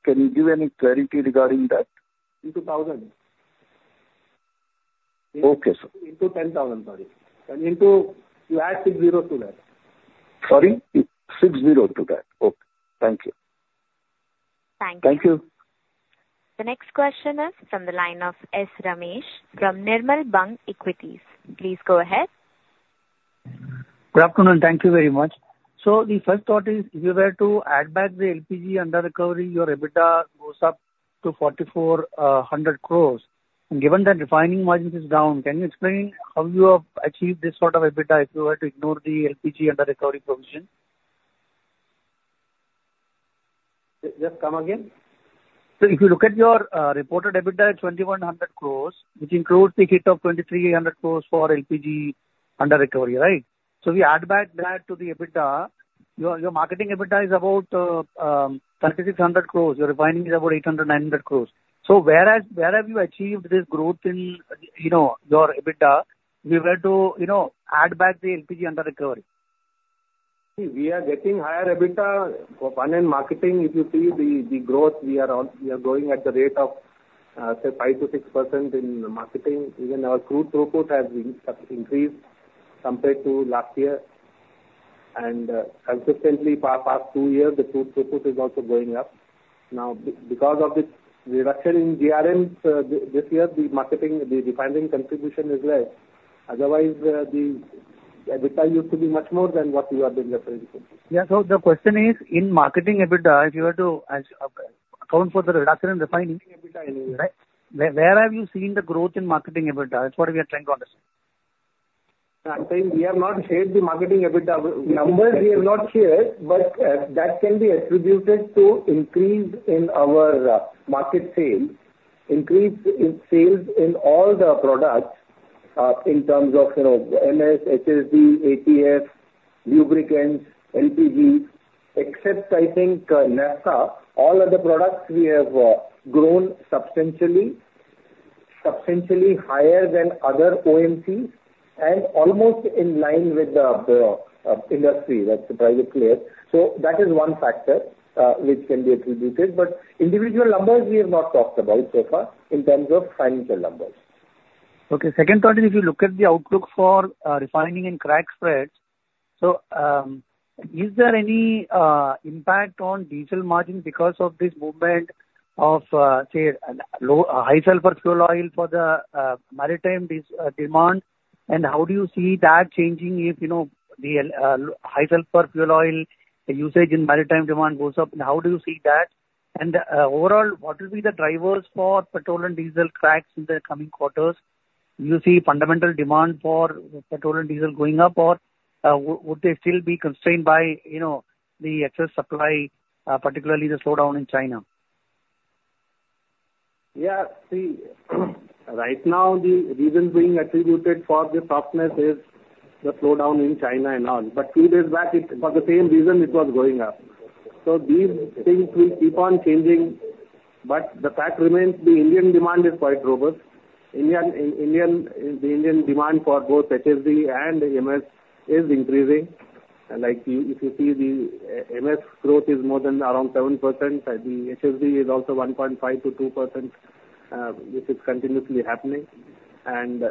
S9: Can you give any clarity regarding that?
S3: Into 1,000.
S9: Okay, sir.
S3: 10,000, sorry. And to it you add six zeros to that.
S9: Sorry? 6 zeros to that. Okay. Thank you.
S1: Thank you.
S9: Thank you.
S1: The next question is from the line of S. Ramesh from Nirmal Bang Equities. Please go ahead.
S10: Good afternoon. Thank you very much. The first thought is if you were to add back the LPG under recovery, your EBITDA goes up to 4,400 crore. Given that refining margin is down, can you explain how you have achieved this sort of EBITDA if you were to ignore the LPG under recovery provision?
S3: Just come again.
S10: So if you look at your reported EBITDA at 2,100 crores, which includes the hit of 2,300 crores for LPG under recovery, right? So we add back that to the EBITDA. Your marketing EBITDA is about 3,600 crores. Your refining is about 800-900 crores. So where have you achieved this growth in your EBITDA if you were to add back the LPG under recovery?
S3: We are getting higher EBITDA on marketing. If you see the growth, we are going at the rate of, say, 5%-6% in marketing. Even our crude throughput has increased compared to last year. Consistently, for the past two years, the crude throughput is also going up. Now, because of this reduction in GRMs this year, the marketing, the refining contribution is less. Otherwise, the EBITDA used to be much more than what you have been referring to.
S10: Yeah. So the question is, in marketing EBITDA, if you were to account for the reduction in refining EBITDA, where have you seen the growth in marketing EBITDA? That's what we are trying to understand.
S3: I'm saying we have not shared the marketing EBITDA numbers. We have not shared, but that can be attributed to increase in our market sales, increase in sales in all the products in terms of MS, HSD, ATF, lubricants, LPG, except, I think, NAFTA. All other products, we have grown substantially higher than other OMCs and almost in line with the industry. That's to try to clear. So that is one factor which can be attributed. But individual numbers, we have not talked about so far in terms of financial numbers.
S10: Okay. Second thought is if you look at the outlook for refining and crack spreads, so is there any impact on diesel margin because of this movement of, say, high sulfur fuel oil for the maritime demand? And how do you see that changing if the high sulfur fuel oil usage in maritime demand goes up? And how do you see that? And overall, what will be the drivers for petrol and diesel cracks in the coming quarters? Do you see fundamental demand for petrol and diesel going up, or would they still be constrained by the excess supply, particularly the slowdown in China?
S3: Yeah. See, right now, the reasons being attributed for this softness is the slowdown in China and all. But 2 days back, for the same reason, it was going up. So these things will keep on changing. But the fact remains, the Indian demand is quite robust. The Indian demand for both HSD and MS is increasing. If you see, the MS growth is more than around 7%. The HSD is also 1.5%-2%, which is continuously happening. And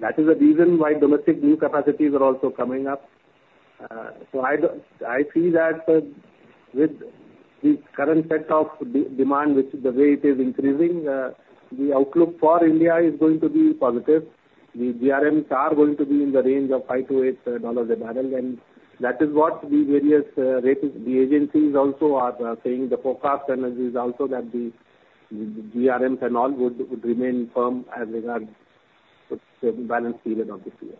S3: that is the reason why domestic new capacities are also coming up. So I see that with the current set of demand, the way it is increasing, the outlook for India is going to be positive. The GRMs are going to be in the range of $5-$8 a barrel. And that is what the various agencies also are saying. The forecast analysis also that the GRMs and all would remain firm as regards the balance period of this year.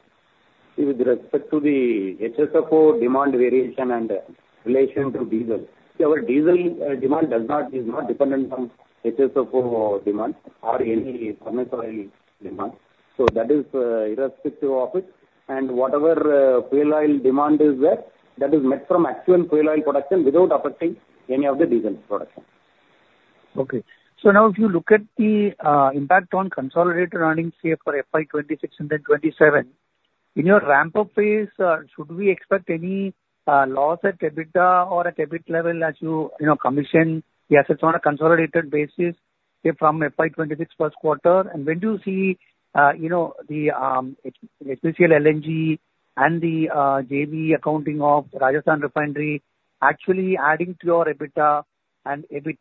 S3: With respect to the HSFO demand variation and relation to diesel, our diesel demand is not dependent on HSFO demand or any primary demand. That is irrespective of it. And whatever fuel oil demand is there, that is met from actual fuel oil production without affecting any of the diesel production.
S10: Okay. So now, if you look at the impact on consolidated earnings, say, for FY 2026-2027, in your ramp-up phase, should we expect any loss at EBITDA or at EBIT level as you commission the assets on a consolidated basis, say, from FY 2026 first quarter? And when do you see the HPCL LNG and the JV accounting of Rajasthan Refinery actually adding to your EBITDA and EBIT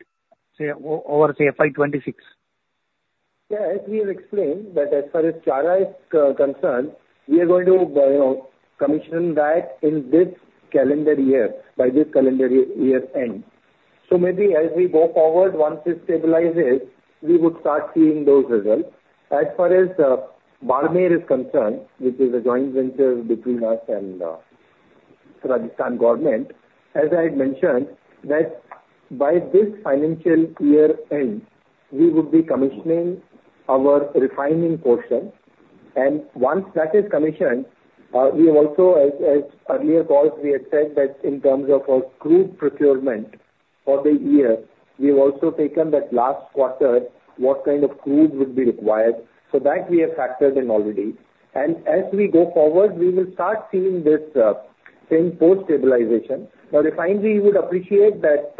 S10: over, say, FY 2026?
S3: Yeah. As we have explained, that as far as Chhara is concerned, we are going to commission that in this calendar year by this calendar year end. So maybe as we go forward, once it stabilizes, we would start seeing those results. As far as Barmer is concerned, which is a joint venture between us and the Rajasthan government, as I had mentioned, that by this financial year end, we would be commissioning our refining portion. And once that is commissioned, we have also, as earlier calls, we had said that in terms of our crude procurement for the year, we have also taken that last quarter, what kind of crude would be required. So that we have factored in already. And as we go forward, we will start seeing this same post-stabilization. Now, refinery would appreciate that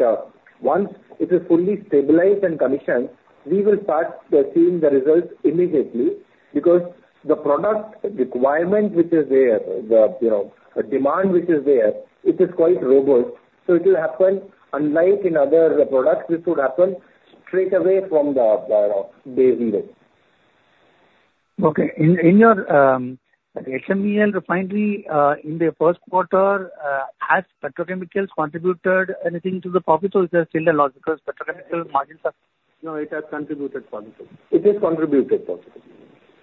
S3: once it is fully stabilized and commissioned, we will start seeing the results immediately because the product requirement, which is there, the demand which is there, it is quite robust. So it will happen, unlike in other products, this would happen straight away from the day zero.
S7: Okay. In your HMEL refinery in the first quarter, has petrochemicals contributed anything to the profits? Or is there still a loss because petrochemical margins have?
S3: No, it has contributed positive. It has contributed positive.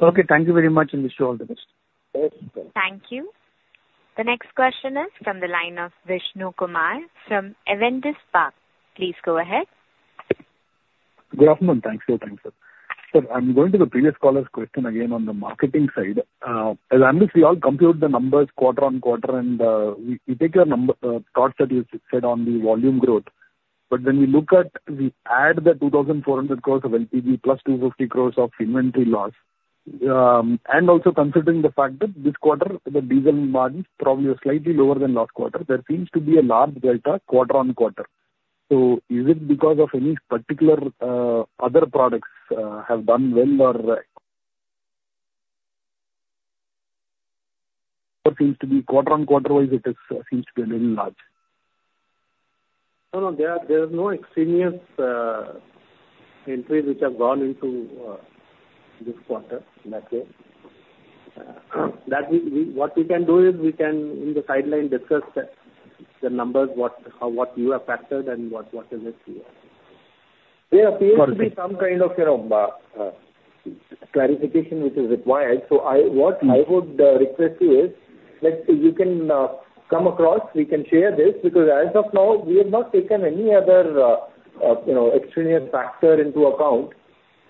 S10: Okay. Thank you very much, and wish you all the best.
S3: Thanks.
S1: Thank you. The next question is from the line of Vishnu Kumar from Avendus Spark. Please go ahead.
S11: Good afternoon. Thank you. Thanks, sir. Sir, I'm going to the previous caller's question again on the marketing side. As always, we all compute the numbers quarter-on-quarter, and we take your thoughts that you said on the volume growth. But when we look at the add the 2,400 crore of LPG plus 250 crore of inventory loss, and also considering the fact that this quarter, the diesel margins probably are slightly lower than last quarter, there seems to be a large delta quarter-on-quarter. So is it because of any particular other products have done well or what seems to be quarter-on-quarter-wise, it seems to be a little large?
S3: No, no. There are no extraneous entries which have gone into this quarter that way. What we can do is we can, in the sideline, discuss the numbers, what you have factored and what is it?
S11: There appears to be some kind of clarification which is required. So what I would request you is, if you can come across, we can share this because as of now, we have not taken any other extraneous factor into account.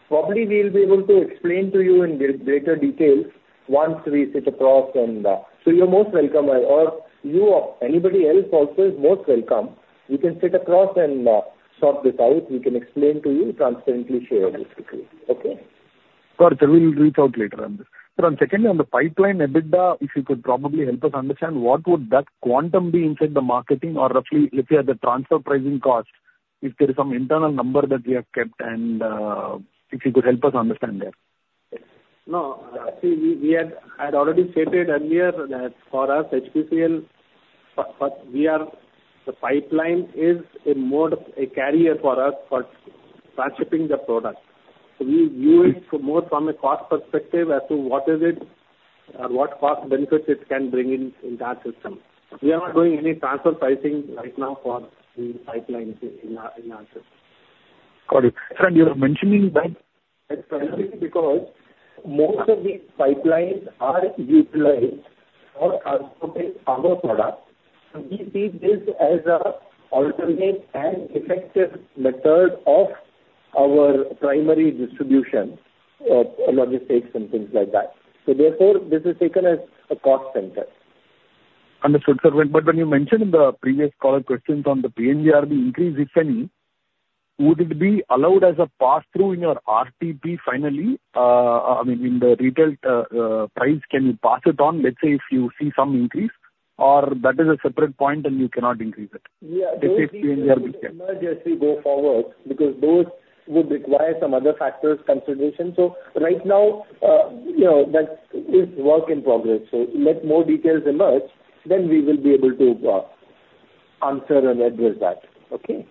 S11: Probably we'll be able to explain to you in greater detail once we sit across. And so you're most welcome, or you or anybody else also is most welcome. We can sit across and sort this out. We can explain to you, transparently share this with you. Okay? Sir, we'll reach out later on this. Sir, secondly, on the pipeline EBITDA, if you could probably help us understand, what would that quantum be inside the marketing or roughly, let's say, at the transfer pricing cost, if there is some internal number that we have kept, and if you could help us understand that.
S3: No. See, we had already stated earlier that for us, HPCL, the pipeline is a mode, a carrier for us for transshipping the product. So we view it more from a cost perspective as to what is it or what cost benefits it can bring in that system. We are not doing any transfer pricing right now for the pipeline in our system.
S11: Got it. Sir, and you were mentioning that.
S3: It's primarily because most of the pipelines are utilized for transporting our products. We see this as an alternate and effective method of our primary distribution, logistics, and things like that. Therefore, this is taken as a cost center.
S11: Understood, sir. But when you mentioned in the previous caller questions on the PNGRB increase, if any, would it be allowed as a pass-through in your RTP finally? I mean, in the retail price, can you pass it on, let's say, if you see some increase, or that is a separate point and you cannot increase it?
S3: Yeah.
S11: Let's say it's PNGRB.
S3: Emerge as we go forward because those would require some other factors consideration. So right now, that is work in progress. So let more details emerge, then we will be able to answer and address that. Okay.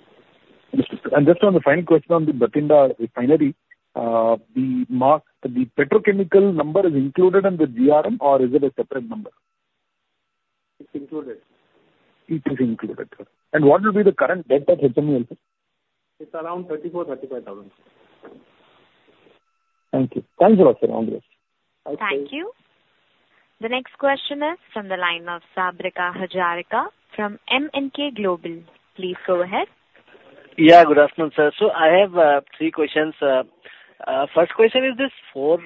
S11: Understood. And just on the final question on the Bathinda refinery, the petrochemical number is included in the GRM, or is it a separate number?
S3: It's included.
S11: It is included. What will be the current debt at HMEL?
S3: It's around INR 34-35,000.
S11: Thank you. Thanks a lot, sir. All the best.
S3: Thank you.
S1: Thank you. The next question is from the line of Sabri Hazarika from Emkay Global. Please go ahead.
S12: Yeah. Good afternoon, sir. So I have three questions. First question is this: for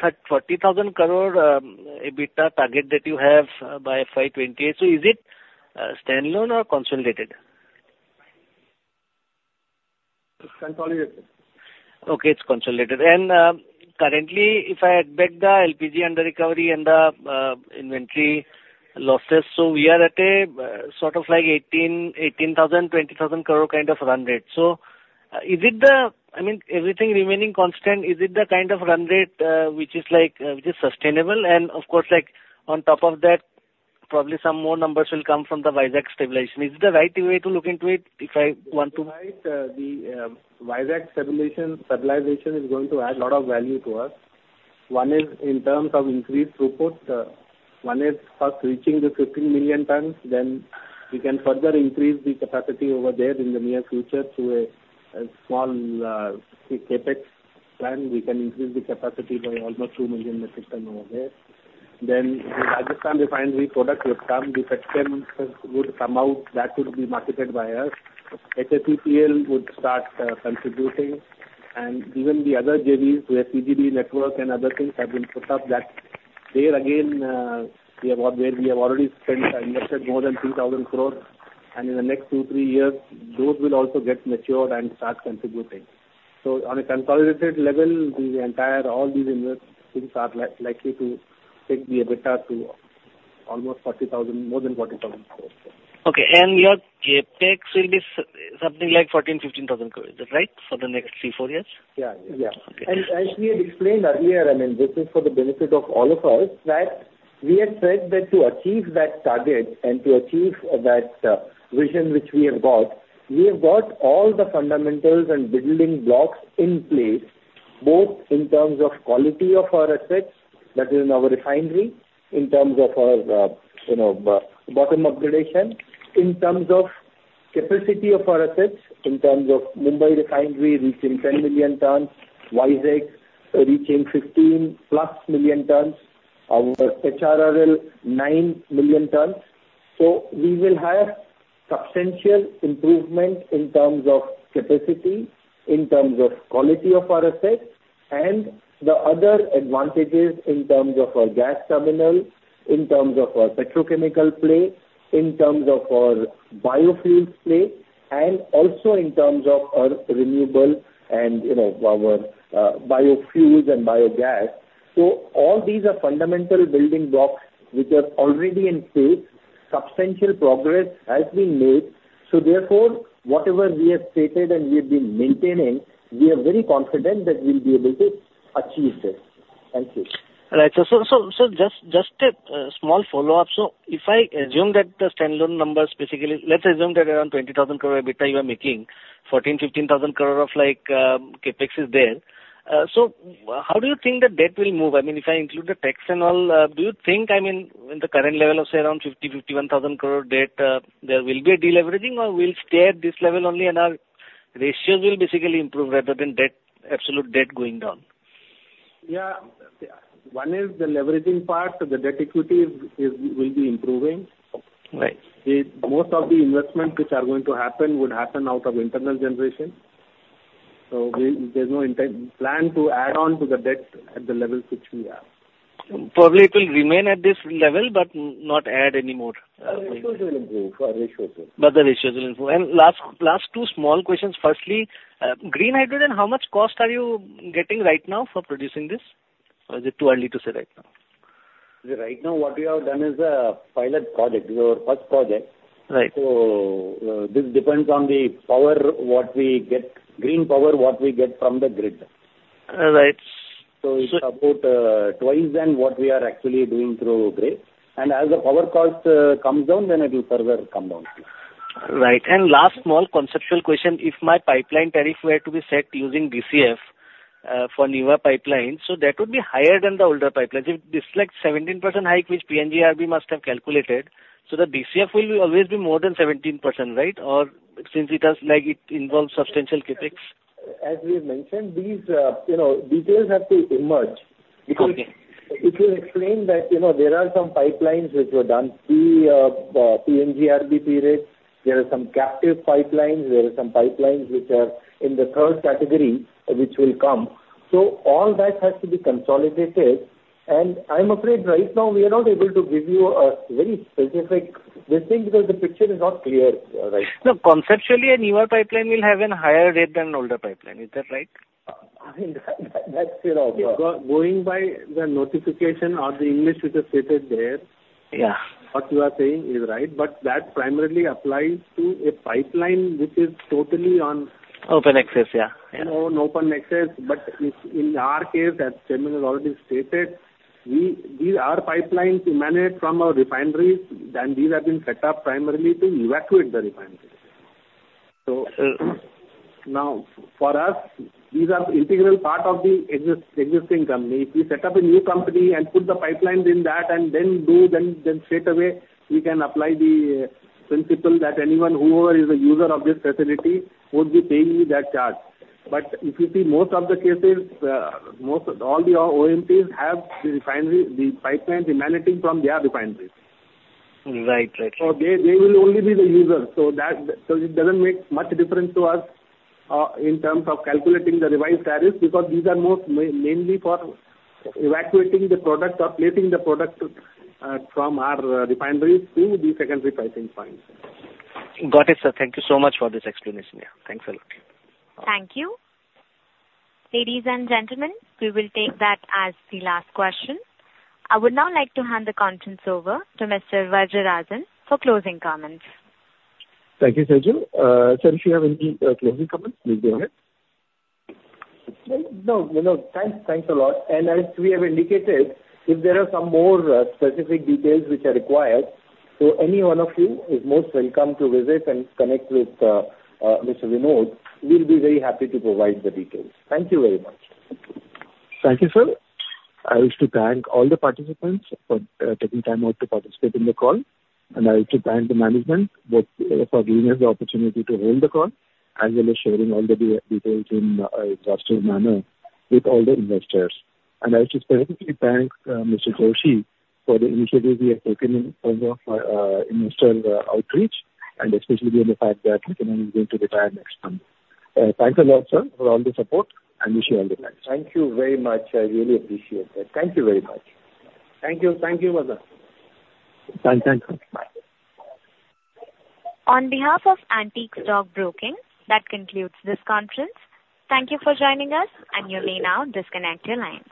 S12: 30,000 crore EBITDA target that you have by FY 2028, so is it standalone or consolidated?
S3: It's consolidated.
S12: Okay. It's consolidated. Currently, if I add back the LPG under recovery and the inventory losses, so we are at a sort of like 18,000-20,000 crore kind of run rate. So is it the, I mean, everything remaining constant, is it the kind of run rate which is sustainable? And of course, on top of that, probably some more numbers will come from the Visakh stabilization. Is it the right way to look into it if I want to?
S3: Right. The Visakh stabilization is going to add a lot of value to us. One is in terms of increased throughput. One is first reaching the 15 million tons. Then we can further increase the capacity over there in the near future to a small CapEx plan. We can increase the capacity by almost 2 million metric tons over there. Then the Rajasthan refinery product would come. The petrochemicals would come out. That would be marketed by us. HSEPL would start contributing. And even the other JVs where CGD network and other things have been put up, that there again, where we have already spent and invested more than 3,000 crore, and in the next two, three years, those will also get matured and start contributing. So on a consolidated level, all these things are likely to take the EBITDA to almost 40,000 crore, more than 40,000 crore.
S12: Okay. And your CapEx will be something like 14,000 crore-15,000 crore, is that right, for the next 3-4 years?
S3: Yeah. Yeah. And as we had explained earlier, I mean, this is for the benefit of all of us that we had said that to achieve that target and to achieve that vision which we have got, we have got all the fundamentals and building blocks in place, both in terms of quality of our assets, that is, in our refinery, in terms of our bottom upgrading, in terms of capacity of our assets, in terms of Mumbai Refinery reaching 10 million tons, Vizag reaching 15+ million tons, our HRRL 9 million tons. So we will have substantial improvement in terms of capacity, in terms of quality of our assets, and the other advantages in terms of our gas terminal, in terms of our petrochemical play, in terms of our biofuels play, and also in terms of our renewable and our biofuels and biogas. So all these are fundamental building blocks which are already in place. Substantial progress has been made. So therefore, whatever we have stated and we have been maintaining, we are very confident that we'll be able to achieve this. Thank you.
S12: Right. Just a small follow-up. So if I assume that the standalone numbers basically, let's assume that around 20,000 crore EBITDA you are making, 14,000-15,000 crore of CapEx is there. So how do you think that debt will move? I mean, if I include the tax and all, do you think, I mean, in the current level of, say, around 50,000-51,000 crore debt, there will be a deleveraging, or will stay at this level only, and our ratios will basically improve rather than absolute debt going down?
S3: Yeah. One is the leveraging part. The debt equity will be improving. Most of the investments which are going to happen would happen out of internal generation. So there's no intent plan to add on to the debt at the levels which we have.
S12: Probably it will remain at this level, but not add any more.
S3: Ratios will improve. Ratios will improve.
S12: But the ratios will improve. Last two small questions. Firstly, green hydrogen, how much cost are you getting right now for producing this? Or is it too early to say right now?
S3: Right now, what we have done is a pilot project, your first project. So this depends on the power what we get, green power what we get from the grid.
S12: Right. So.
S3: It's about twice than what we are actually doing through grid. As the power cost comes down, then it will further come down.
S12: Right. And last small conceptual question. If my pipeline tariff were to be set using DCF for newer pipelines, so that would be higher than the older pipelines. If this is like 17% hike, which PNGRB must have calculated, so the DCF will always be more than 17%, right? Or since it involves substantial CapEx?
S3: As we have mentioned, these details have to emerge because if you explain that there are some pipelines which were done pre-PNGRB period, there are some captive pipelines, there are some pipelines which are in the third category which will come. So all that has to be consolidated. And I'm afraid right now, we are not able to give you a very specific listing because the picture is not clear right now.
S12: So conceptually, a NEWA pipeline will have a higher rate than an older pipeline. Is that right?
S3: I mean, that's going by the notification or the English which is stated there, what you are saying is right. But that primarily applies to a pipeline which is totally on.
S12: Open access. Yeah. Yeah.
S3: On open access. But in our case, as Chairman has already stated, these are pipelines emanate from our refineries, and these have been set up primarily to evacuate the refineries. So now, for us, these are integral part of the existing company. If we set up a new company and put the pipelines in that and then straight away, we can apply the principle that anyone, whoever is a user of this facility, would be paying you that charge. But if you see, most of the cases, all the OMCs have the pipelines emanating from their refineries.
S12: Right. Right.
S3: They will only be the users. It doesn't make much difference to us in terms of calculating the revised tariffs because these are most mainly for evacuating the product or placing the product from our refineries to the secondary pricing points.
S4: Got it, sir. Thank you so much for this explanation. Yeah. Thanks a lot.
S1: Thank you. Ladies and gentlemen, we will take that as the last question. I would now like to hand the conference over to Mr. Vaidyanathan Rangan for closing comments.
S2: Thank you, Seju. Sir, if you have any closing comments, please go ahead.
S3: No. Thanks a lot. As we have indicated, if there are some more specific details which are required, so any one of you is most welcome to visit and connect with Mr. Vinod. We'll be very happy to provide the details. Thank you very much.
S2: Thank you, sir. I wish to thank all the participants for taking time out to participate in the call. I wish to thank the management for giving us the opportunity to hold the call, as well as sharing all the details in an exhaustive manner with all the investors. I wish to specifically thank Mr. Joshi for the initiatives he has taken in terms of investor outreach, and especially given the fact that he is going to retire next month. Thanks a lot, sir, for all the support, and wish you all the best.
S3: Thank you very much. I really appreciate that. Thank you very much. Thank you. Thank you, brother.
S2: Thanks. Thanks. Bye.
S1: On behalf of Antique Stock Broking, that concludes this conference. Thank you for joining us, and you may now disconnect your lines.